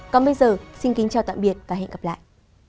còn bây giờ xin kính chào tạm biệt và hẹn gặp lại